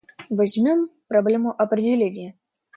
Возьмем проблему определения.